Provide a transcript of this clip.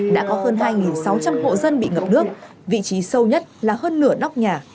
đã có hơn hai sáu trăm linh hộ dân bị ngập nước vị trí sâu nhất là hơn nửa nóc nhà